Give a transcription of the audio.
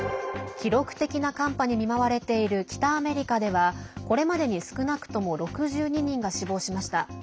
記録的な寒波に見舞われている北アメリカではこれまでに少なくとも６２人が死亡しました。